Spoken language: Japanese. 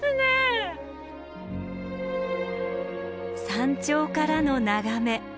山頂からの眺め。